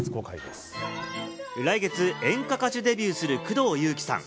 来月、演歌歌手デビューする工藤夕貴さん。